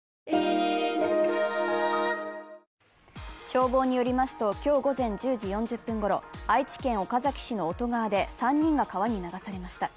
消防によりますと今日午前１０時４０分ごろ愛知県岡崎市の男川で３人が川に流されました。